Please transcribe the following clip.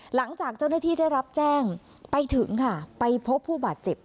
หลังจากเจ้าหน้าที่ได้รับแจ้งไปถึงค่ะไปพบผู้บาดเจ็บ